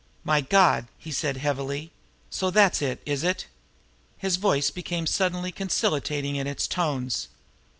"My God!" he said heavily. "So that's it, is it?" His voice became suddenly conciliating in its tones.